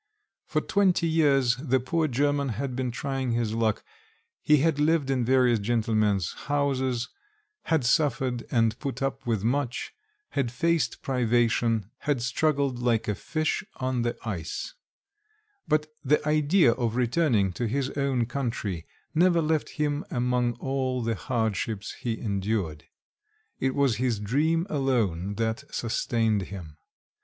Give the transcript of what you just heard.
For twenty years the poor German had been trying his luck; he had lived in various gentlemen's houses, had suffered and put up with much, had faced privation, had struggled like a fish on the ice; but the idea of returning to his own country never left him among all the hardships he endured; it was this dream alone that sustained him.